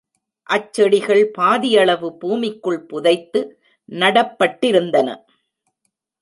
அச் செடிகள் பாதியளவு பூமிக்குள் புதைத்து நடப்பட்டிருந்தன.